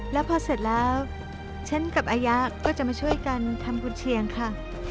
แล้วพอเสร็จแล้วฉันกับอายะก็จะมาช่วยกันทำกุญเชียงค่ะ